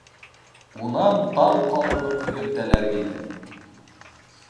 Унан таң ҡалырлыҡ һөҙөмтәләр килде.